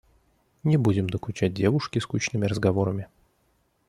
Не будем докучать девушке скучными разговорами.